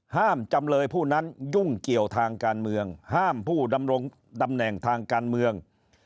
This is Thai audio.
จำเลยผู้นั้นยุ่งเกี่ยวทางการเมืองห้ามผู้ดำรงตำแหน่งทางการเมือง